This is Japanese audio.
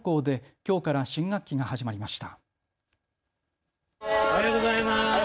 きょうから新学期が始まりました。